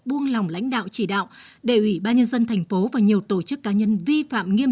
buông lòng lãnh đạo chỉ đạo để ủy ban nhân dân tp hcm và nhiều tổ chức cá nhân vi phạm nghiêm